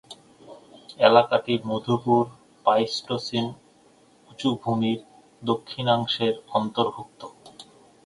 এলাকাটি মধুপুর প্লাইস্টোসিন উঁচু ভূমির দক্ষিণাংশের অন্তর্ভুক্ত।